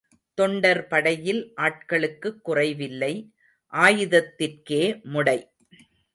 தொண்டர் படையில் ஆட்களுக்குக் குறைவில்லை ஆயுதத்திற்கே முடை!